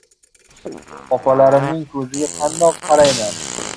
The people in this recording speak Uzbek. Opalarimning ko‘ziga qandoq qarayman!